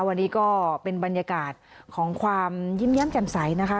วันนี้ก็เป็นบรรยากาศของความยิ้มแย้มแจ่มใสนะคะ